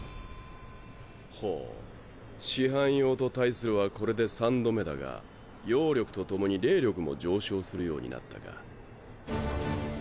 ほう四半妖と対するはこれで３度目だが妖力と共に霊力も上昇するようになったか。